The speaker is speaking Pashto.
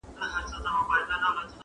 غوړېدلی به ټغر وي د خوښیو اخترونو!.